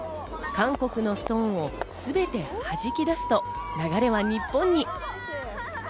韓国のストーンを全て弾き出すと流れは日本に。